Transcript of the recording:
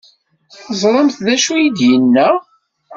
Teẓramt d acu ay d-yenna?